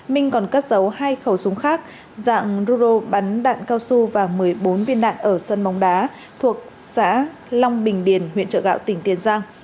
bạn ruro bắn đạn cao su và một mươi bốn viên đạn ở sân móng đá thuộc xã long bình điền huyện trợ gạo tỉnh tiền giang